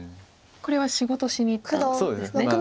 これは仕事しにいったんですね。